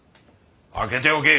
開けておけ。